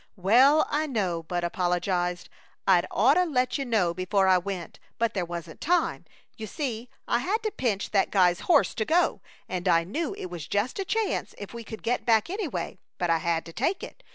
"Well, I know," Bud apologized. "I'd oughta let you know before I went, but there wasn't time. You see, I had to pinch that guy's horse to go, and I knew it was just a chance if we could get back, anyway; but I had to take it.